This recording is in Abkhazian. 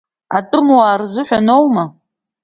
Атәымуаа рзыҳәан аума?